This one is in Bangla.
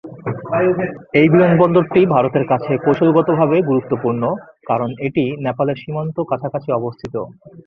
এই বিমানবন্দরটি ভারতের কাছে কৌশলগতভাবে গুরুত্বপূর্ণ, কারণ এটি নেপালের সীমান্ত কাছাকাছি অবস্থিত।